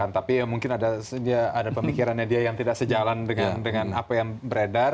tapi mungkin ada pemikirannya dia yang tidak sejalan dengan apa yang beredar